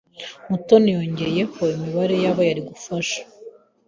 Mutoni yongeyeho imibare yabo yari gufasha.